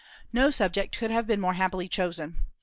No subject could have been more happily chosen.